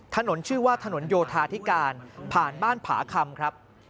ชื่อว่าถนนโยธาธิการผ่านบ้านผาคำครับ